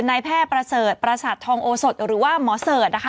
นายแพทย์ประเสริฐประสัตว์ทองโอสดหรือว่าหมอเสริฐค่ะ